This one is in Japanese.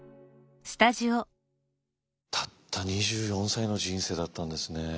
たった２４歳の人生だったんですね。